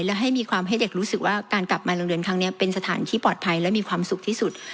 และให้มีความให้เด็กรู้สึกว่าการกลับมาโรงเรียนครั้งนี้เป็นสถานที่ปลอดภัยและมีความสุขที่สุด